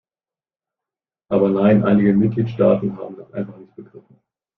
Aber nein, einige Mitgliedstaaten haben das einfach nicht begriffen.